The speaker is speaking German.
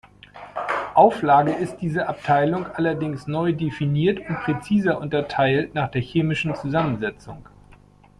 Auflage ist diese Abteilung allerdings neu definiert und präziser unterteilt nach der chemischen Zusammensetzung.